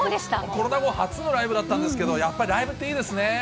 コロナ後、初のライブだったんですけど、やっぱりライブっていいですね。